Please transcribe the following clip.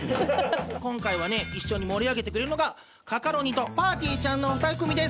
今回一緒に盛り上げてくれるのがカカロニとぱーてぃーちゃんの２組です。